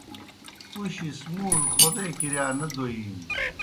پُشیْ سہ مُوڙوْ خودے کِرِیا نہ دوئینیْ